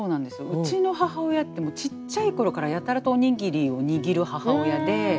うちの母親ってもうちっちゃい頃からやたらとおにぎりを握る母親で。